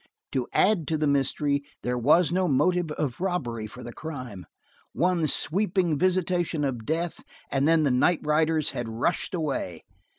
To add to the mystery, there was no motive of robbery for the crime. One sweeping visitation of death, and then the night riders had rushed away.